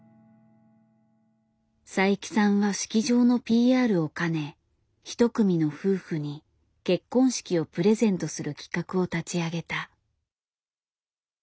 佐伯さんは式場のＰＲを兼ね１組の夫婦に結婚式をプレゼントする企画を立ち上げた。